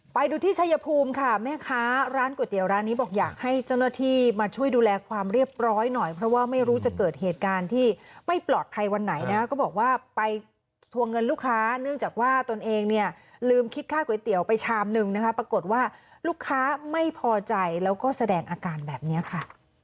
ไปดูที่ชายภูมิค่ะแม่ค้าร้านก๋วยเตี๋ยวร้านนี้บอกอยากให้เจ้าหน้าที่มาช่วยดูแลความเรียบร้อยหน่อยเพราะว่าไม่รู้จะเกิดเหตุการณ์ที่ไม่ปลอดภัยวันไหนนะก็บอกว่าไปทวงเงินลูกค้าเนื่องจากว่าตนเองเนี่ยลืมคิดค่าก๋วยเตี๋ยวไปชามหนึ่งนะคะปรากฏว่าลูกค้าไม่พอใจแล้วก็แสดงอาการแบบนี้ค่ะ